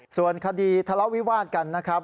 ส่วนคดีทะเลาะวิวาดกันนะครับ